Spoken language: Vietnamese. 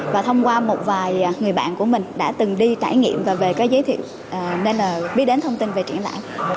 và thông qua một vài người bạn của mình đã từng đi trải nghiệm và về có giới thiệu nên là biết đến thông tin về triển lãm